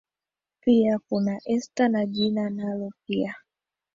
pia kuna esther na jina nao pia